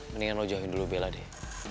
mendingan lo jauhin dulu bela deh